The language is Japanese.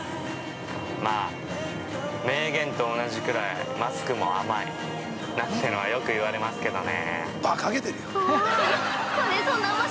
まあ、名言と同じくらいマスクも甘い、なんてのはよく言われますけどね。